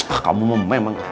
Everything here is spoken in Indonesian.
ah kamu memenang